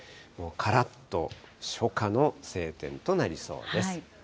からっと初夏の晴天となりそうです。